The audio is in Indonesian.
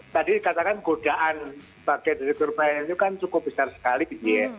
tadi katakan godaan pak sofian basir itu kan cukup besar sekali gitu ya